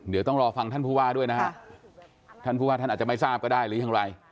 เดี๋ยวต้องรอฟังท่านผู้ว่าด้วยนะฮะท่านผู้ว่าท่านอาจจะไม่ทราบก็ได้หรือยังไร